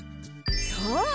そう！